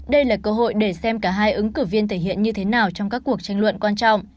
đây là cơ hội để xem cả hai ứng cử viên thể hiện như thế nào trong các cuộc tranh luận quan trọng